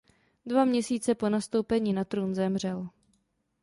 Dva měsíce po nastoupení na trůn zemřel.